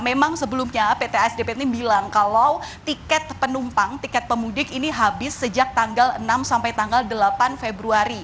memang sebelumnya pt sdpt bilang kalau tiket penumpang dan tim baru untuk pemudik ini habis sejak tanggal enam sampai tanggal delapan februari